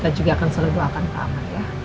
kita juga akan selalu doakan pak amar ya